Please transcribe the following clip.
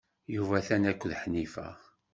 Yuba atan akked Ḥnifa.